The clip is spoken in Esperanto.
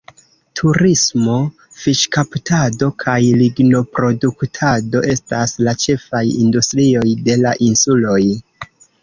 Turismo, fiŝkaptado kaj lignoproduktado estas la ĉefaj industrioj de la insuloj.